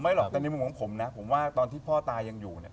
หรอกแต่ในมุมของผมนะผมว่าตอนที่พ่อตายังอยู่เนี่ย